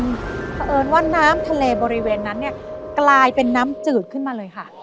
เพราะเอิญว่าน้ำทะเลบริเวณนั้นเนี่ยกลายเป็นน้ำจืดขึ้นมาเลยค่ะ